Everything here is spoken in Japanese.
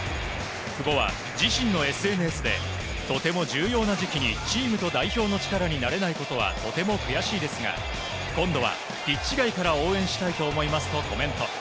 久保は自身のＳＮＳでとても重要な時期にチームと代表の力になれないことはとても悔しいですが今度はピッチ外から応援したいと思いますとコメント。